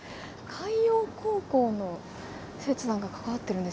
海洋高校の生徒さんが関わってるんですかね？